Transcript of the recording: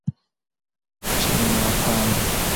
چي مي ناپامه